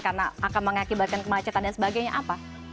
karena akan mengakibatkan kemacetan dan sebagainya apa